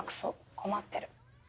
困ってる。